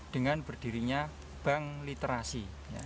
dengan berdirinya bank literasi